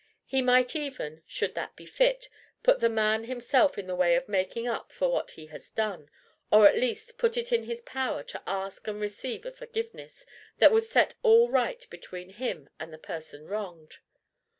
He might even, should that be fit, put the man himself in the way of making up for what he had done, or at least put it in his power to ask and receive a forgiveness that would set all right between him and the person wronged.